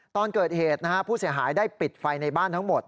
ตอนเกิดเหตุนะฮะผู้เสียหายได้ปิดไฟในบ้านทั้งหมด